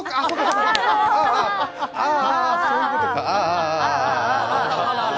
ああ、そういうことか。